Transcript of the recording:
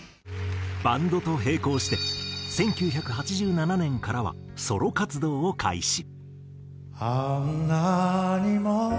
バンドと並行して１９８７年からはソロ活動を開始。